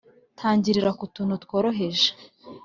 tangirira ku tuntu tworoheje